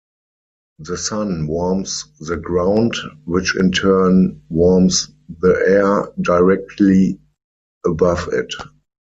The Sun warms the ground, which in turn warms the air directly above it.